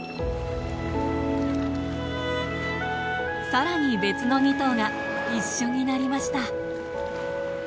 さらに別の２頭が一緒になりました。